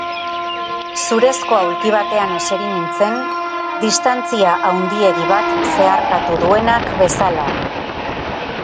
Zurezko aulki batean eseri nintzen, distantzia handiegi bat zeharkatu duenak bezala.